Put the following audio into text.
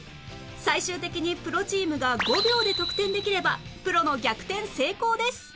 最終的にプロチームが５秒で得点できればプロの逆転成功です